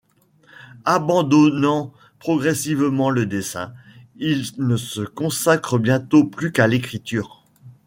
Abandonnant progressivement le dessin, il ne se consacre bientôt plus qu’à l’écriture.